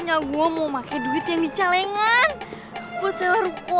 nya gua mau pake duit yang di calingantutu buat sewa ruko